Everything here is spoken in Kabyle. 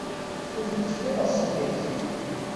Ur tent-kkateɣ s lgaz.